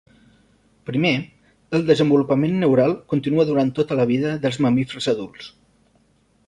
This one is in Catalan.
Primer, el desenvolupament neural continua durant tota la vida dels mamífers adults.